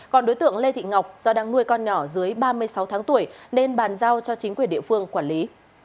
còn đối tượng lê thị ngọc do đang nuôi con nhỏ dưới ba mươi sáu tháng tuổi nên bàn giao cho chính quyền địa phương quản lý